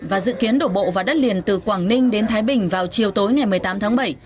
và dự kiến đổ bộ vào đất liền từ quảng ninh đến thái bình vào chiều tối ngày một mươi tám tháng bảy